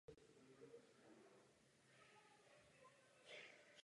Jinak by tato činnost neměla vůbec žádný efekt a ztratila by svůj praktický smysl.